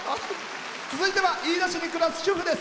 続いては飯田市に暮らす主婦です。